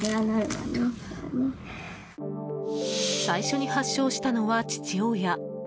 最初に発症したのは父親。